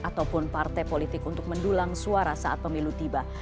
ataupun partai politik untuk mendulang suara saat pemilu tiba